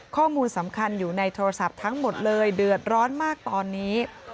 ข้อมูลสำคัญอยู่ในโทรศัพท์ทั้งหมดเลยเดือดร้อนมากตอนนี้